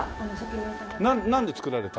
なんで作られた？